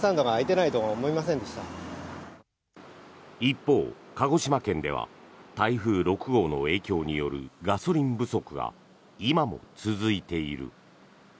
一方、鹿児島県では台風６号の影響によるガソリン不足が今も続いている。